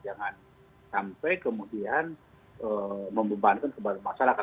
jangan sampai kemudian membebankan kepada masyarakat